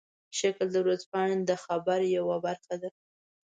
شکل د ورځپاڼې د خبر یوه برخه ده.